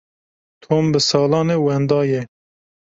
Tom bi salan e wenda ye.